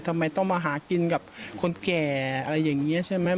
ทำไมต้องมาหากินกับคนแก่อะไรอย่างนี้ใช่ไหม